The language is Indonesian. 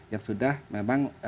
yang sudah memang